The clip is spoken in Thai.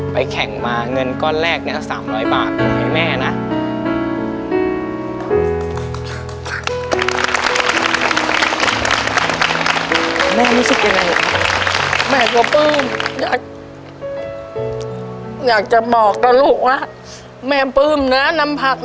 แข่งมาเงินก้อนแรกเนี่ยก็๓๐๐บาทให้แม่นะ